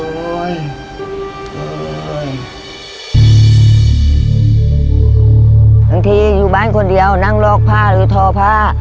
บางทีอยู่บ้านคนเดียวนั่งลอกผ้าหรือทอผ้า